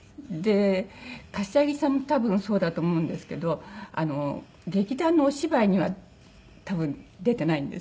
柏木さんも多分そうだと思うんですけど劇団のお芝居には多分出てないんです。